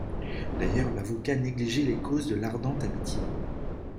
D'ailleurs l'avocat négligeait les causes de l'Ardente Amitié.